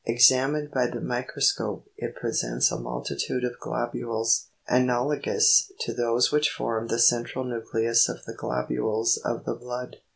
Examined by the microscope, it presents a multitude of globules, analogous to those which form the central nucleus of the globules of the blood.